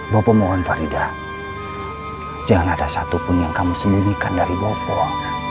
bopo mohon farida jangan ada satupun yang kamu sembunyikan dari bopo